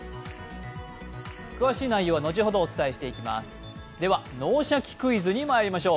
詳しい内容は後ほどお伝えしてまいります。